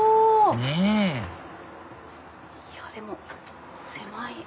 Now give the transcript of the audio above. ねぇいやでも狭い。